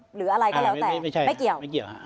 หรืออะไรก็แล้วแต่ไม่เกี่ยว